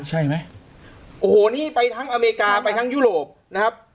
ใช่ไหมโอ้โหนี่ไปทั้งอเมริกาไปทั้งยุโรปนะครับ